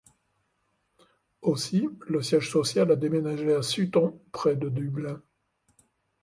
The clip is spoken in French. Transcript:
Aussi, le siège social a déménagé à Sutton, près de Dublin.